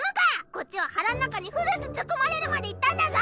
こっちは腹ん中にフルーツ突っ込まれるまでいったんだぞ！